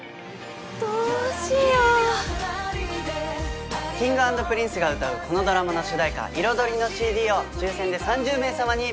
どうしようＫｉｎｇ＆Ｐｒｉｎｃｅ が歌うこのドラマの主題歌『彩り』の ＣＤ を抽選で３０名様にプレゼント！